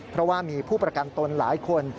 เพราะว่ามีผู้ประกันตนหลายคน